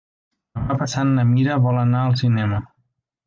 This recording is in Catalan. Demà passat na Mira vol anar al cinema.